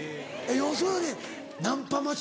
要するにナンパ待ち？